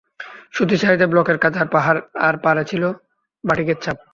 সুতি শাড়িতে ব্লকের কাজ আর পাড়ে ছিল বাটিকের ছাপ।